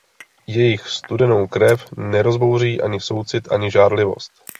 Jejich studenou krev nerozbouří ani soucit ani žárlivosť.